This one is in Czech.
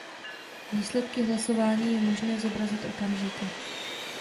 Výsledky hlasování je možné zobrazit okamžitě.